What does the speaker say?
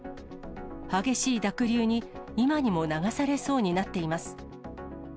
激しい濁流に、今にも流されそうになっています。